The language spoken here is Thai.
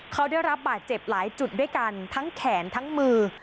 เขาได้รับบาดเจ็บหลายจุดด้วยกันทั้งแขนทั้งมือ